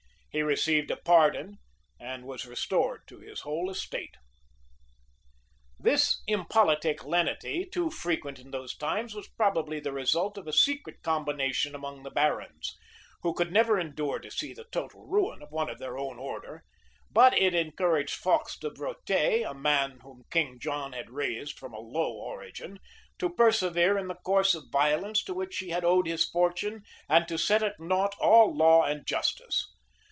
He received a pardon, and was restored to his whole estate. This impolitic lenity, too frequent in those times, was probably the result of a secret combination among the barons, who never could endure to see the total ruin of one of their own order: but it encouraged Fawkes de Breauté, a man whom King John had raised from a low origin, to persevere in the course of violence to which he had owed his fortune and to set at nought all law and justice.